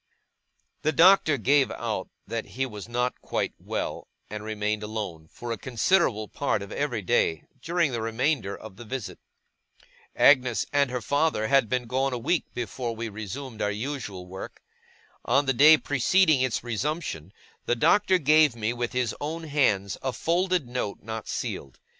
The Doctor gave out that he was not quite well; and remained alone, for a considerable part of every day, during the remainder of the visit. Agnes and her father had been gone a week, before we resumed our usual work. On the day preceding its resumption, the Doctor gave me with his own hands a folded note not sealed.